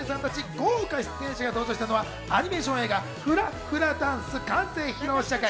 豪華出演者が登場したのはアニメーション映画『フラ・フラダンス』完成披露試写会。